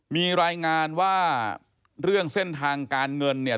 มีรายงานว่าเรื่องเส้นทางการเงินเนี่ย